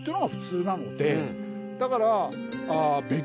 だから。